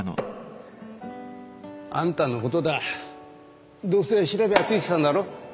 あんたのことだどうせ調べはついてたんだろ？